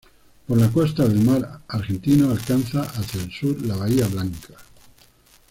Por la costa del mar Argentino alcanza hacia el sur la bahía Blanca.